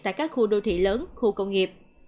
tại các khu đô thị lớn khu công nghiệp